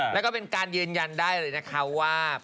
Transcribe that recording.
แล้วก็เป็นการยืนยันได้เลยนะคะว่า